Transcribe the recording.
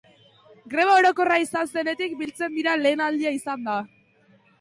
Greba orokorra izan zenetik biltzen diren lehen aldia izan da.